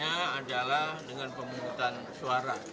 adalah dengan pemungutan suara